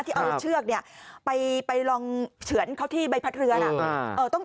ที่เอาเชือกไปลองเฉือนเขาที่ใบพัดเรือนะ